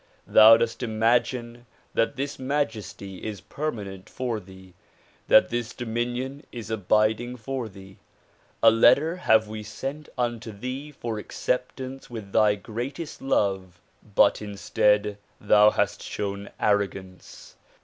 Thou dost imagine that this majesty is permanent for thee, that this dominion is abiding for thee. A letter have we sent unto thee for acceptance with thy greatest love; but instead thou hast shown arrogance.